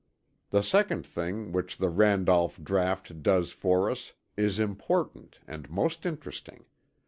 The second thing which the Randolph draught does for us is important and most interesting.